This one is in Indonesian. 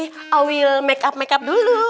i will make up make up dulu